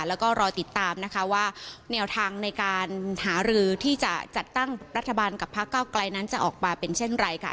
แล้วก็รอติดตามนะคะว่าแนวทางในการหารือที่จะจัดตั้งรัฐบาลกับพระเก้าไกลนั้นจะออกมาเป็นเช่นไรค่ะ